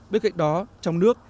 bên cạnh đó trong nước